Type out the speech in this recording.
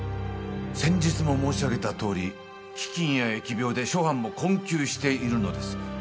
先日も申し上げたとおり飢饉や疫病で諸藩も困窮しているのです。